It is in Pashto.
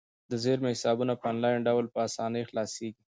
د زیرمې حسابونه په انلاین ډول په اسانۍ خلاصیږي.